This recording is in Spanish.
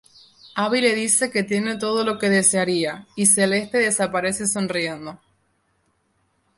Abby le dice que tiene todo lo que desearía, y Celeste desaparece sonriendo.